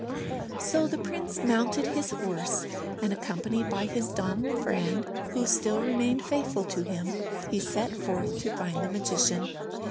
So the prince mounted his horse, and, accompanied by his dumb friend, who still remained faithful to him, he set forth to find the magician.